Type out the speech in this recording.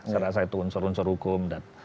secara saya itu unsur unsur hukum dan